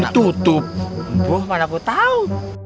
tutup malam ditau